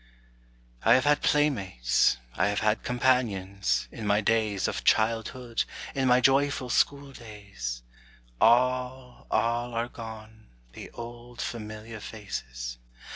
I have had playmates, I have had companions, In my days of childhood, in my joyful school days; All, all are gone, the old familiar faces.